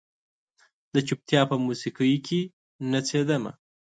د چوپتیا په موسیقۍ کې نڅیدمه